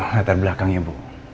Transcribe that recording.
ngatar belakang ya bu